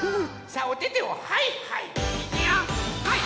さあおててをはいはい！